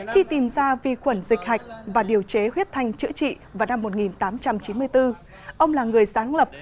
khi tìm ra vi khuẩn dịch hạch và điều chế huyết thanh chữa trị vào năm một nghìn tám trăm chín mươi bốn ông là người sáng lập